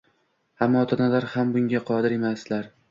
Hamma ota-onalar ham bunga qodir emaslar.